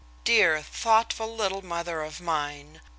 Dear, thoughtful, little mother of mine!